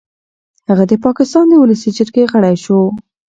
هغه د پاکستان د ولسي جرګې غړی شو.